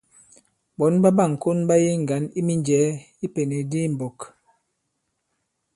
Ɓɔ̌n ɓa ɓâŋkon ɓa yege ŋgǎn i minjɛ̀ɛ i ipènèk di i mbɔ̄k.